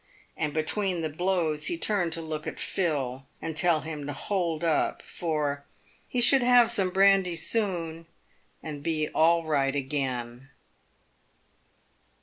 And between the blow r s he turned to look at Phil, and tell him to hold up, for "he should have some brandy soon, and be all right again."